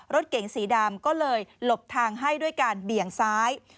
รถเก๋งสีดำก็เลยหลบทางให้ด้วยการเบี่ยงซ้าย